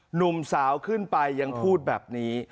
หนุ่มสาวขึ้นไปยังพูดแบบนี้